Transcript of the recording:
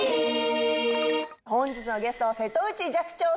本日のゲストは瀬戸内寂聴さ